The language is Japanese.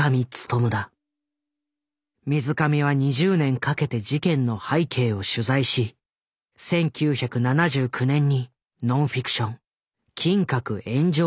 水上は２０年かけて事件の背景を取材し１９７９年にノンフィクション「金閣炎上」を世に問うた。